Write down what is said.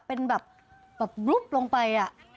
เป็นแบบบลุ๊บลงไป